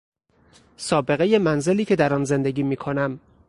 سابقهی منزلی که در آن زندگی میکنم